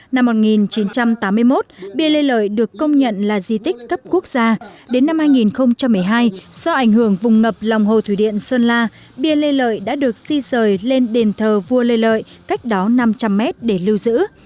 năm một nghìn chín trăm tám mươi một bia lê lợi được công nhận là di tích cấp quốc gia đến năm hai nghìn một mươi hai do ảnh hưởng vùng ngập lòng hồ thủy điện sơn la bia lê lợi đã được di rời lên đền thờ vua lê lợi cách đó năm trăm linh mét để lưu giữ